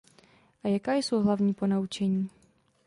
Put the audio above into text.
A jaká jsou hlavní ponaučení?